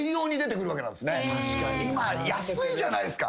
今安いじゃないっすか。